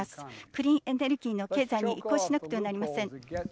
クリーンエネルギーの経済に移行しなくてはなりません。